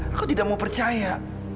aku tidak mau percaya